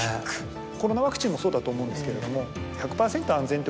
コロナワクチンもそうだと思うんですけれども。